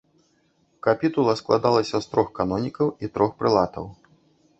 Капітула складалася з трох канонікаў і трох прэлатаў.